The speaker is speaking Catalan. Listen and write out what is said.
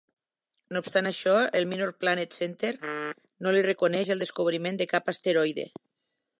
No obstant això, el Minor Planet Center no li reconeix el descobriment de cap asteroide.